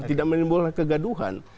tidak menimbulkan kegaduhan